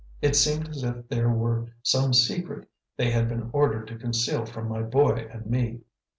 It seemed as if there were some secret they had been ordered to conceal from my boy and me.